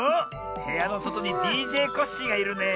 へやのそとにＤＪコッシーがいるねえ。